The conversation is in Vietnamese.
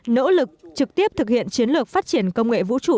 nỗ lực trực tiếp thực hiện chiến lược phát triển công nghệ vũ trụ